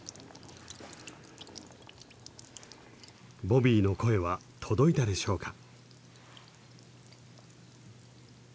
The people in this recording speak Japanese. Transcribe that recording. ボビーの声は届いたでしょうか。